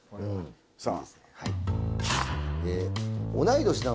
さあ。